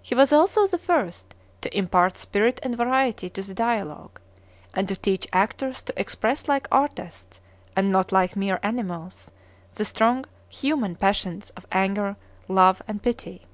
He was also the first to impart spirit and variety to the dialogue, and to teach actors to express like artists, and not like mere animals, the strong human passions of anger, love, and pity.